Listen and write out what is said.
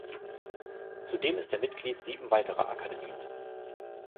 Zudem ist er Mitglied sieben weiterer Akademien.